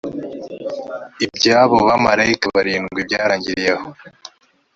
i by abo bamarayika barindwi byarangiriye aho